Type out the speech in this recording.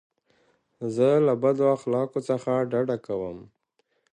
زه له بد اخلاقو څخه ډډه کوم.